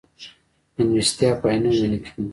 مېلمستیا په عینومېنه کې ده.